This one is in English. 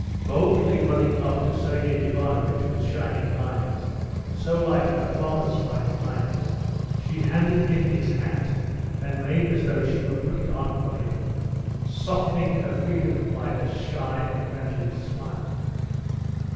Boldly running up to Sergey Ivanovitch with shining eyes, so like her father's fine eyes, she handed him his hat and made as though she would put it on for him, softening her freedom by a shy and friendly smile.